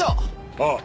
ああ。